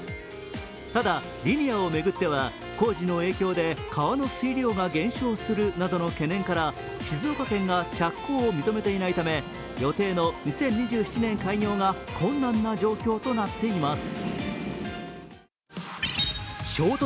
ただ、リニアを巡っては工事の影響で川の水量が減少するなどの懸念から静岡県が着工を認めていないため予定の２０２７年開業が困難な状況となっています。